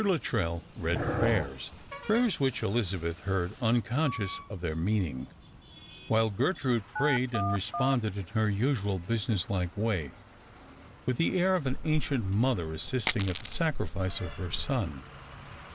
Luttrell read prayers, prayers which Elizabeth heard un conscious of their meaning ; while Gertrude prayed and responded in her usual business like way, with the air of an ancient mother assisting at the sacrifice of her son.